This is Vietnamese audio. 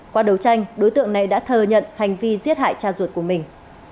qua đấu tranh đối tượng này đã thừa nhận hành vi giết hại cha ruột của mình